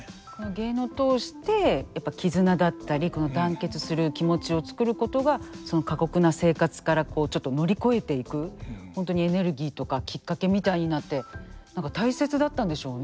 芸能を通してやっぱり絆だったりこの団結する気持ちを作ることがその過酷な生活からちょっと乗り越えていく本当にエネルギーとかきっかけみたいになって何か大切だったんでしょうね。